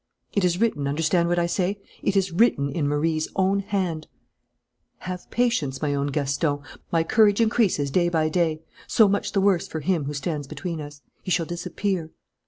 It is written, understand what I say, it is written in Marie's own hand; 'Have patience, my own Gaston. My courage increases day by day. So much the worse for him who stands between us. He shall disappear.'